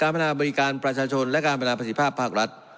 ๓การพนาบริการประชาชนและการพนาปศิภาพภาครัฐ